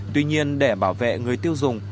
tuy nhiên để bảo vệ người tiêu dùng